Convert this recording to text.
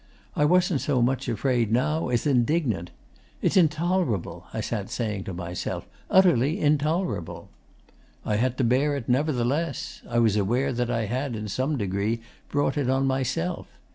I wasn't so much afraid now as indignant. "It's intolerable," I sat saying to myself, "utterly intolerable!" 'I had to bear it, nevertheless. I was aware that I had, in some degree, brought it on myself.